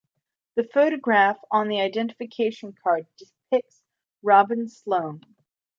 The photograph on the identification card depicts Robin Sloan.